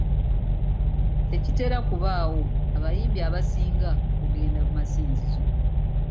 Tekitera kubaawo abayimbi abasinga okugenda mu masinzizo.